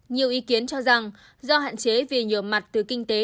nhiều ý kiến cho rằng do hạn chế vì nhiều mặt từ kinh tế